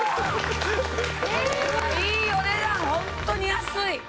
これはいいお値段ホントに安い！